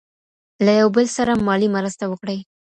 له یو بل سره مالي مرسته وکړئ.